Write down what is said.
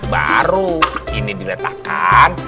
baru ini diletakkan